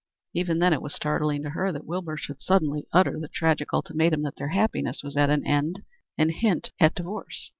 Even then it was startling to her that Wilbur should suddenly utter the tragic ultimatum that their happiness was at an end, and hint at divorce.